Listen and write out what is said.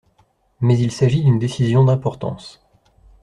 Mais il s'agit d'une décision d’importance.